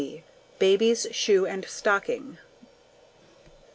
Baby's Shoe and Stocking.